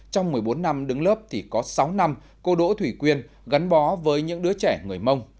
trong một mươi bốn năm đứng lớp thì có sáu năm cô đỗ thủy quyên gắn bó với những đứa trẻ người mông